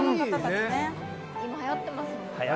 今、はやってますもんね。